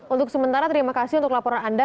untuk sementara terima kasih untuk laporan anda